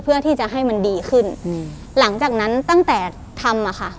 เพื่อที่จะให้มันดีขึ้นอืมหลังจากนั้นตั้งแต่ทำอ่ะค่ะ